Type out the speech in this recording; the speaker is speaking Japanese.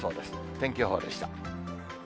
天気予報でした。